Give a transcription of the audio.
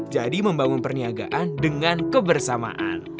membangun perniagaan dengan kebersamaan